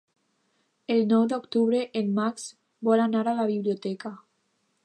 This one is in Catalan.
El nou d'octubre en Max vol anar a la biblioteca.